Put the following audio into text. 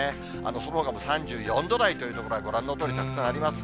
そのほかも３４度台という所はご覧のとおりたくさんあります。